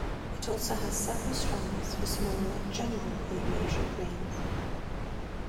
It also has several stands for smaller general aviation planes.